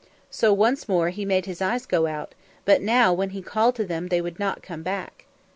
So once more he made his eyes go out, but now when he called to them they would not come back.